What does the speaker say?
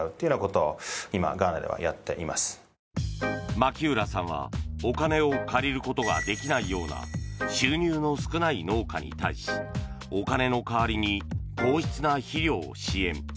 牧浦さんは、お金を借りることができないような収入の少ない農家に対しお金の代わりに高質な肥料を支援。